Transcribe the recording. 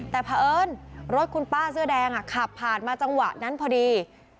แต่เพราะเอิญรถคุณป้าเสื้อแดงขับผ่านมาจังหวะนั้นพอดี